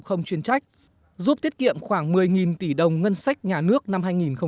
không chuyên trách giúp tiết kiệm khoảng một mươi tỷ đồng ngân sách nhà nước năm hai nghìn một mươi chín